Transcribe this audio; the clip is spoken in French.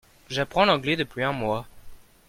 J'apprends l'anglais depuis un mois.